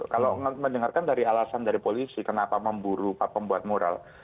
kalau mendengarkan dari alasan dari polisi kenapa memburu pembuat mural